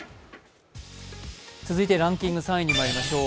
続いてランキング３位にまいりましょう。